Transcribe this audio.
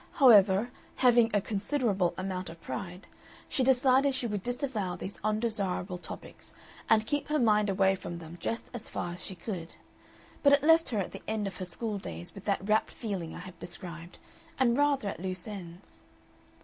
However having a considerable amount of pride, she decided she would disavow these undesirable topics and keep her mind away from them just as far as she could, but it left her at the end of her school days with that wrapped feeling I have described, and rather at loose ends.